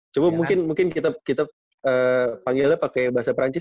cuma mungkin kita panggilnya pakai bahasa perancis